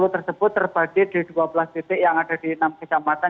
lima ratus sembilan puluh tersebut terbagi di dua belas titik yang ada di enam kecamatan